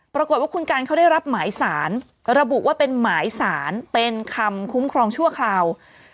ปรากฏว่าคุณกันเขาได้รับหมายสารระบุว่าเป็นหมายสารเป็นคำคุ้มครองชั่วคราว